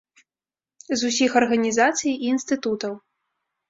З усіх арганізацый і інстытутаў.